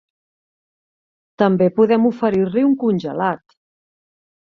També podem oferir-li un congelat.